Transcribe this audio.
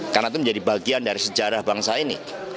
karena itu menjadi bagian dari sejarah bangsa ini